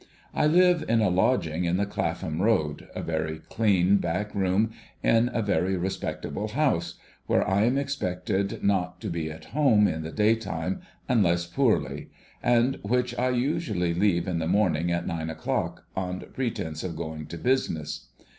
1 live in a lodging in the Clapham Road — a very clean back room, in a very respectable house — where I am expected not to be at home in the day time, unless poorly ; and which I usually leave in the morning at nine o'clock, on pretence of going to business.